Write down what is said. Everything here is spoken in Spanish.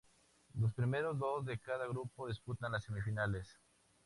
Los primeros dos de cada grupo disputan las semifinales.